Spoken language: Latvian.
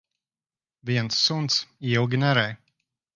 Viens suns ilgi nerej.